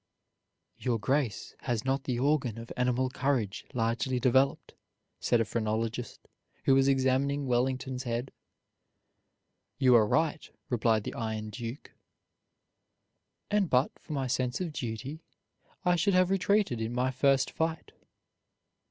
"Your Grace has not the organ of animal courage largely developed," said a phrenologist, who was examining Wellington's head. "You are right," replied the Iron Duke, "and but for my sense of duty I should have retreated in my first fight."